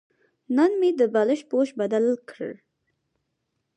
نن مې د بالښت پوښ بدل کړ.